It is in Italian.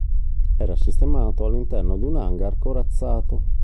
Era sistemato all'interno di un hangar corazzato.